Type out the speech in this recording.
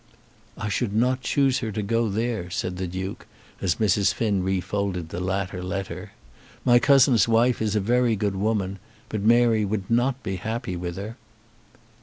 "I should not choose her to go there," said the Duke, as Mrs. Finn refolded the latter letter. "My cousin's wife is a very good woman, but Mary would not be happy with her."